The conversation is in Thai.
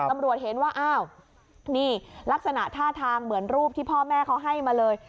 ตำรวจเห็นว่าอ้าวนี่ลักษณะท่าทางเหมือนรูปที่พ่อแม่เขาให้มาเลย